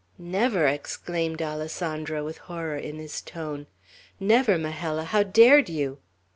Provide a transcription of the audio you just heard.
"Never!" exclaimed Alessandro, with horror in his tone. "Never, Majella! How dared you?"